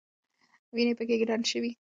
وینې پکې ډنډ شوې.